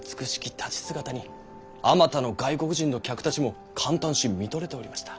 立ち姿にあまたの外国人の客たちも感嘆し見とれておりました。